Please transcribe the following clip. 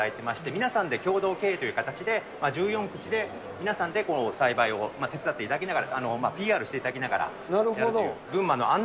皆さんで共同経営という形で、１４口で、皆さんで栽培を手伝っていただきながら、ＰＲしていただきながらやるという。